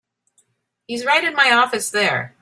He's right in my office there.